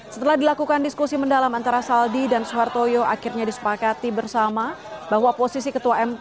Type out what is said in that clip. setelah dilakukan diskusi mendalam antara saldi dan suhartoyo akhirnya disepakati bersama bahwa posisi ketua mk